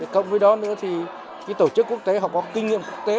cộng với đó nữa thì tổ chức quốc tế họ có kinh nghiệm quốc tế